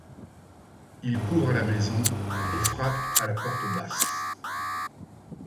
Il court à la maison et frappe à la porte basse.